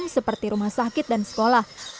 seperti rumah sakit dan sekolah